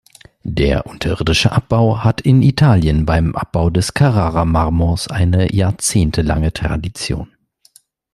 Der unterirdische Abbau hat in Italien beim Abbau des Carrara-Marmors eine jahrzehntelange Tradition.